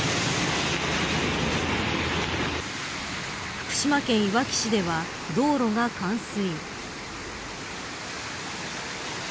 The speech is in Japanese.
福島県いわき市では道路が冠水。